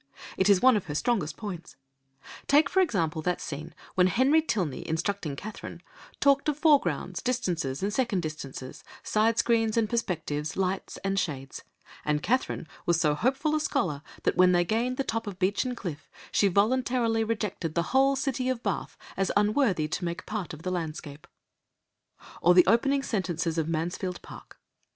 It is one of her strongest points. Take for example that scene when Henry Tilney instructing Catherine "talked of foregrounds, distances, and second distances; side screens and perspectives; lights and shades; and Catherine was so hopeful a scholar, that when they gained the top of Beechen Cliff, she voluntarily rejected the whole city of Bath as unworthy to make part of the landscape"; or the opening sentences of Mansfield Park.